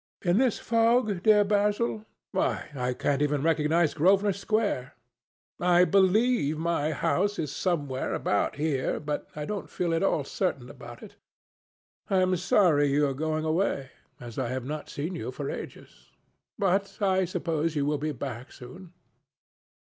"In this fog, my dear Basil? Why, I can't even recognize Grosvenor Square. I believe my house is somewhere about here, but I don't feel at all certain about it. I am sorry you are going away, as I have not seen you for ages. But I suppose you will be back soon?"